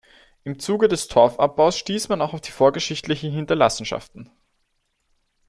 Im Zuge des Torfabbaus stieß man auch auf die vorgeschichtlichen Hinterlassenschaften.